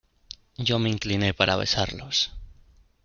yo me incliné para besarlos: